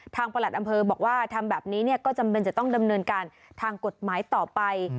ประหลัดอำเภอบอกว่าทำแบบนี้ก็จำเป็นจะต้องดำเนินการทางกฎหมายต่อไป